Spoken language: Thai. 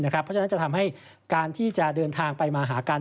เพราะฉะนั้นจะทำให้การที่จะเดินทางไปมาหากัน